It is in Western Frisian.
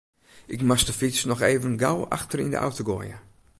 Ik moast de fyts noch even gau achter yn de auto goaie.